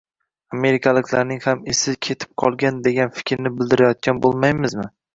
amerikaliklarning ham esi ketib qolgan degan fikrni bildirayotgan bo‘lmaymizmi?